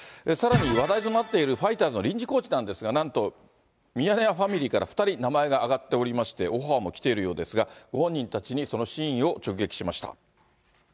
さらに、話題となっているファイターズの臨時コーチなんですが、なんと、ミヤネ屋ファミリーから２人、名前が挙がっておりまして、オファーも来ているようですが、ご本人たちに、その真意を直撃しました。